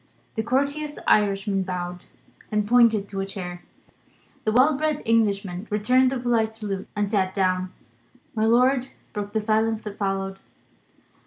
The courteous Irishman bowed, and pointed to a chair. The well bred Englishman returned the polite salute, and sat down. My lord broke the silence that followed.